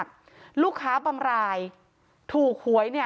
ความปลอดภัยของนายอภิรักษ์และครอบครัวด้วยซ้ำ